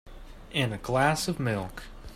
And a glass of milk.